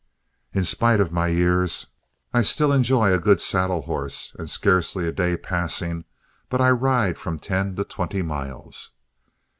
In spite of my years, I still enjoy a good saddle horse, scarcely a day passing but I ride from ten to twenty miles.